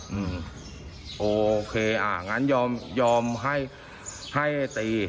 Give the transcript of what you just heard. อืมโอเคงั้นยอมให้ตี